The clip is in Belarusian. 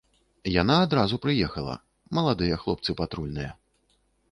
Яна адразу прыехала, маладыя хлопцы патрульныя.